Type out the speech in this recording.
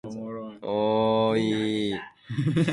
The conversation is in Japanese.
おおおいいいいいい